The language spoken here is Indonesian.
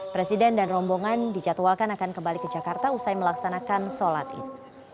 presiden dan rombongan dijadwalkan akan kembali ke jakarta usai melaksanakan sholat id